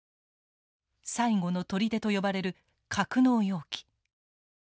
最後の砦と呼ばれる格納容器。